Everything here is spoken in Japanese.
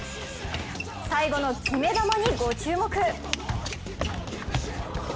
最後の決め球にご注目。